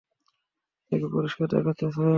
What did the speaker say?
তাকে পরিষ্কার দেখাচ্ছে, স্যার।